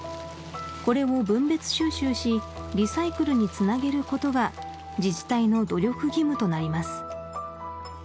これを分別収集しリサイクルにつなげることが自治体の努力義務となります